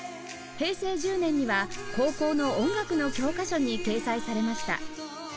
平成１０年には高校の音楽の教科書に掲載されました